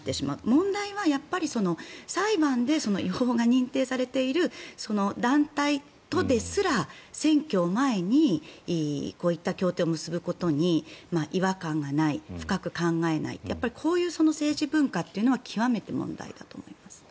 問題は、裁判で違法が認定されている団体とですら選挙前にこういった協定を結ぶことに違和感がない深く考えないというこういう政治文化というのは極めて問題だと思います。